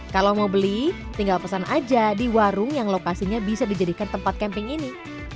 kalau mau beli tinggal pesan aja di warung yang lokasinya bisa dijadikan tempat camping ini